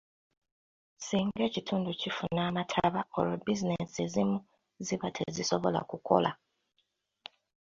Singa ekitundu kifuna amataba olwo bizinensi ezimu ziba tezisobola kukola.